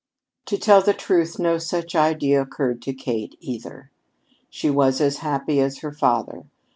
To tell the truth, no such idea occurred to Kate either. She was as happy as her father.